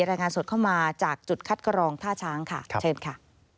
รายงานสดเข้ามาจากจุดคัดกรองท่าช้างค่ะเชิญค่ะ